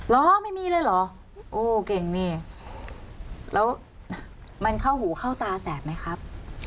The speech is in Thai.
เหรอไม่มีเลยเหรอโอ้เก่งนี่แล้วมันเข้าหูเข้าตาแสบไหมครับ